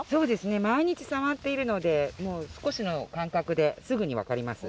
毎日触っているので少しの感覚ですぐに分かります。